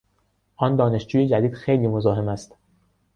آن دانشجوی جدید خیلی مزاحم است.